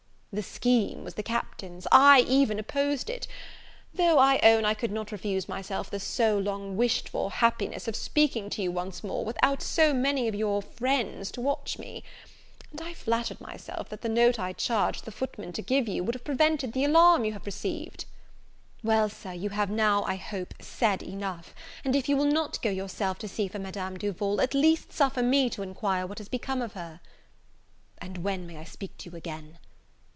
"The scheme was the Captain's: I even opposed it: though, I own, I could not refuse myself the so long wished for happiness of speaking to you once more, without so many of your friends to watch me. And I had flattered myself, that the note I charged the footman to give you, would have prevented the alarm you have received." "Well Sir, you have now, I hope, said enough; and, if you will not go yourself to see for Madame Duval, at least suffer me to inquire what is become of her." "And when may I speak to you again?"